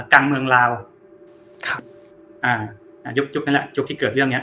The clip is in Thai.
กลางเมืองลาวครับอ่าอ่ายุคยุคนั้นแหละยุคที่เกิดเรื่องเนี้ย